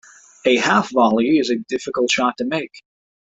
A half volley is a difficult shot to make.